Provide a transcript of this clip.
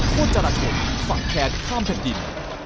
โทรจาระชนฝั่งแคดข้ามแผ่นดิน